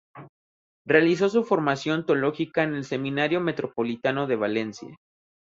Realizó su formación teológica en el Seminario Metropolitano de Valencia.